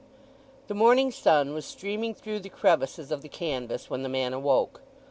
The morning sun was streaming through the crevices of the canvas when the man awoke.